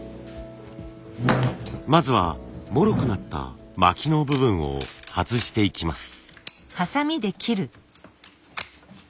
まずはもろくなった巻きの部分を外していきます。